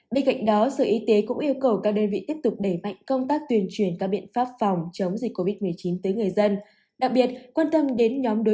bên cạnh đó sở y tế cũng yêu cầu các đơn vị tiếp tục đẩy mạnh công tác tuyên truyền các biện pháp phòng chống dịch covid một mươi chín tới người dân